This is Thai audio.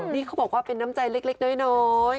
นี่เขาบอกว่าเป็นน้ำใจเล็กน้อย